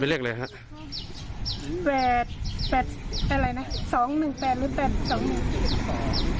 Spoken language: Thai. เป็นอะไรนะ๒๑๘หรือ๘๒๑